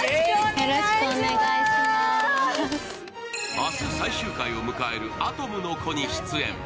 明日、最終回を迎える「アトムの童」に出演。